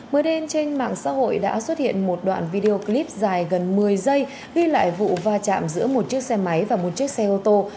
mới đây trên mạng xã hội đã xuất hiện một đoạn video clip dài gần một mươi giây ghi lại vụ va chạm giữa một chiếc xe máy và một chiếc xe ô tô